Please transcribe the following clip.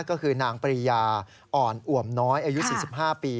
ก็คือนางปรียาอ่อนอ่วมน้อยอายุ๔๕ปี